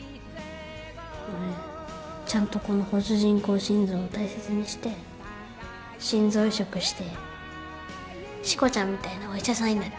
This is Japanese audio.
俺ちゃんとこの補助人工心臓を大切にして心臓移植してしこちゃんみたいなお医者さんになる。